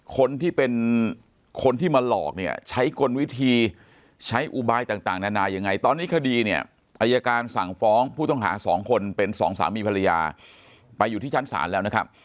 คนที่เป็นคนที่มาหลอกเนี่ยใช้กลวิธีใช้อุบายต่างนานายังไงตอนนี้คดีเนี่ยอายการสั่งฟ้องผู้ต้องหาสองคนเป็นสองสามีภรรยาไปอยู่ที่ชั้นศาลแล้วนะครับ